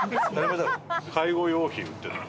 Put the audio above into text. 介護用品売ってた。